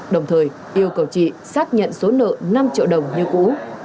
đồng thời yêu cầu chị xác nhận số nợ năm triệu đồng như cũ